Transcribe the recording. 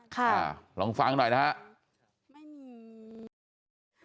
ค่ะลองฟังหน่อยนะฮะ